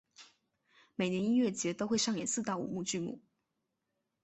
每年音乐节都会上演四到五幕剧目。